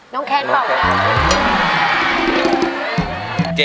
น้องแคนครับ